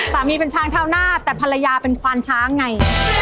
สามีเป็นช้างเท้าหน้าแต่ภรรยาเป็นควานช้างไง